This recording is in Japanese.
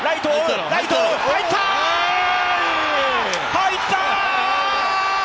入った！